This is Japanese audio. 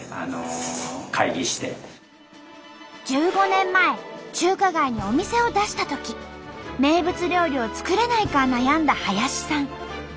１５年前中華街にお店を出したとき名物料理を作れないか悩んだ林さん。